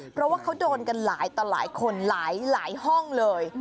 เพราะว่าเขาโดนกันหลายต่อหลายคนหลายห้องเลย